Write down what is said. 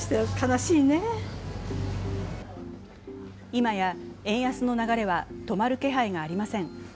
今や円安の流れは止まる気配がありません。